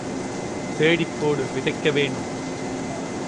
தேடிப்போடு விதைக்க வேணும்.